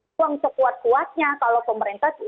uang sekuat kuatnya kalau pemerintah